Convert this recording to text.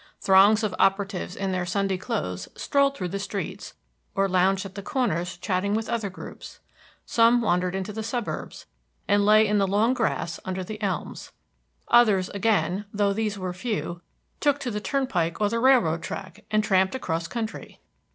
Throngs of operatives in their Sunday clothes strolled through the streets, or lounged at the corners chatting with other groups; some wandered into the suburbs, and lay in the long grass under the elms. Others again, though these were few, took to the turnpike or the railroad track, and tramped across country.